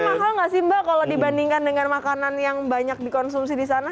mahal nggak sih mbak kalau dibandingkan dengan makanan yang banyak dikonsumsi di sana